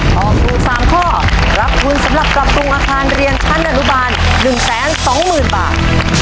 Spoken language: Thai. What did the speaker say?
ตอบถูก๓ข้อรับทุนสำหรับปรับปรุงอาคารเรียนชั้นอนุบาล๑๒๐๐๐บาท